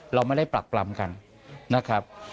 เราไม่ได้ปรักปรำกันนะครับ